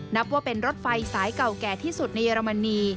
นับว่าเป็นรถไฟสายเก่าแก่ที่สุดในเยอรมนี